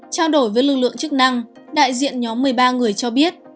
trao đổi với lực lượng chức năng đại diện nhóm một mươi ba người cho biết